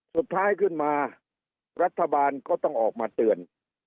สุดท้ายขึ้นมารัฐบาลก็ต้องออกมาเตือน